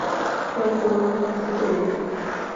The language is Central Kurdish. هەر گۆڵەو بۆنی خۆی هەیە!